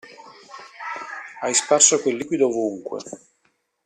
Hai sparso quel liquido ovunque!